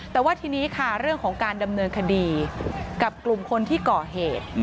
แต่ว่าทีนี้ค่ะเรื่องของการดำเนินคดีกับกลุ่มคนที่ก่อเหตุ